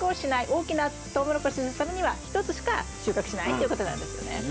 大きなトウモロコシのためには１つしか収穫しないっていうことなんですよね。